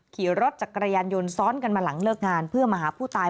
ขี่รถจักรยานยนต์ซ้อนกันมาหลังเลิกงานเพื่อมาหาผู้ตาย